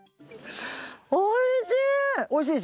おいしい！